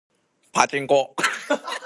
パチンコ